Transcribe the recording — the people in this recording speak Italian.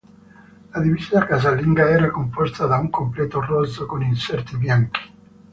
La divisa casalinga era composta da un completo rosso con inserti bianchi.